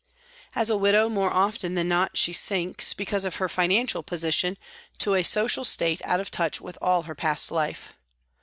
As a widow more often than not she sinks, because of her financial position, to a social state out of touch with all her past life.